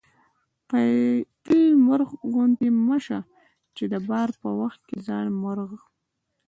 فيل مرغ غوندي مه سه چې د بار په وخت کې ځان مرغ